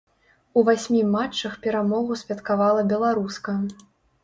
У васьмі матчах перамогу святкавала беларуска.